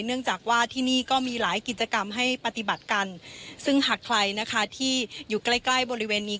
เนื่องจากว่าที่นี่ก็มีหลายกิจกรรมให้ปฏิบัติกันซึ่งหากใครนะคะที่อยู่ใกล้ใกล้บริเวณนี้